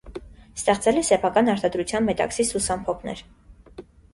Ստեղծել է սեփական արտադրության մետաքսից լուսամփոփներ։